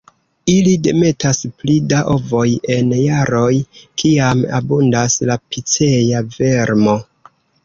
Ili demetas pli da ovoj en jaroj kiam abundas la Picea vermo.